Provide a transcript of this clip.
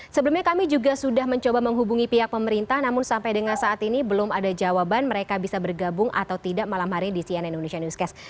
sebelumnya kami juga sudah mencoba menghubungi pihak pemerintah namun sampai dengan saat ini belum ada jawaban mereka bisa bergabung atau tidak malam hari di cnn indonesia newscast